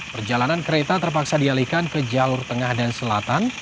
perjalanan kereta terpaksa dialihkan ke jalur tengah dan selatan